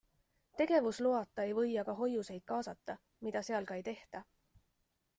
Tegevusloata ei või aga hoiuseid kaasata, mida seal ka ei tehta.